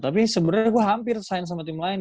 tapi sebenernya gue hampir sign sama tim lain